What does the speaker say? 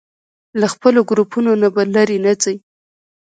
له خپلو ګروپونو نه به لرې نه ځئ.